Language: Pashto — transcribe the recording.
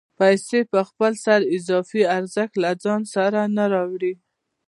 پیسې په خپل سر اضافي ارزښت له ځان سره نه راوړي